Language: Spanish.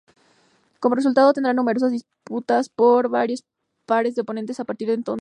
Como resultado, tendrán numerosas disputas con varios pares de oponentes a partir de entonces.